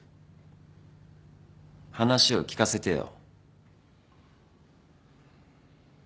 話を聞かせてよ。